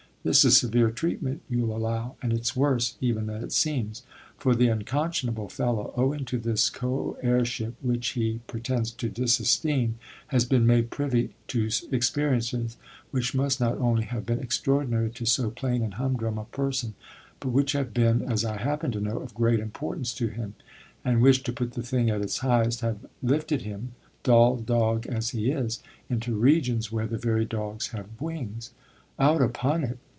This is severe treatment, you'll allow, and it's worse even than it seems. For the unconscionable fellow, owing to this coheirship which he pretends to disesteem, has been made privy to experiences which must not only have been extraordinary to so plain and humdrum a person, but which have been, as I happen to know, of great importance to him, and which to put the thing at its highest have lifted him, dull dog as he is, into regions where the very dogs have wings. Out upon it!